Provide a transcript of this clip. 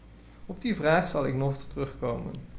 Op die vraag zal ik nog terugkomen.